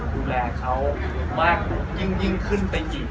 ดูแลเขามากยิ่งขึ้นไปอีก